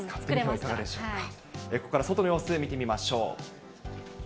作れまここから外の様子、見てみましょう。